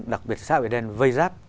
đặc biệt xã hội đen vây rác